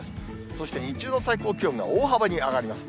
そして日中の最高気温が大幅に上がります。